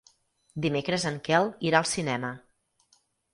Dimecres en Quel irà al cinema.